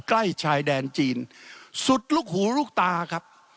ใกล้ชายแดนจีนสุดลูกหูลูกตาครับ